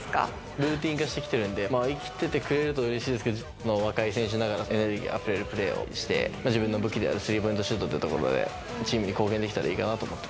ルーティン化しているんで、生きててくれるとうれしいですけど、若い選手ながら、エネルギーあふれるプレーをして、自分の武器であるスリーポイントシュートっていうところで、チームに貢献